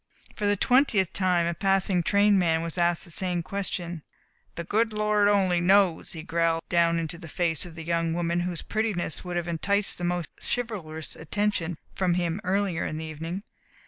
For the twentieth time a passing train man was asked the same question. "The good Lord only knows," he growled down into the face of the young woman whose prettiness would have enticed the most chivalrous attention from him earlier in the evening.